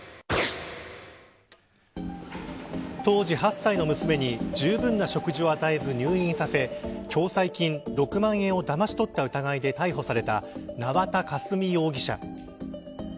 当時８歳の娘にじゅうぶんな食事を与えず入院させ共済金６万円をだまし取った疑いで逮捕された縄田佳純容疑者。